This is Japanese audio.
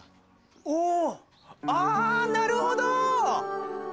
おっあなるほど！